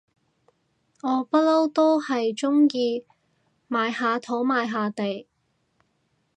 我不嬲都係中意買下土買下地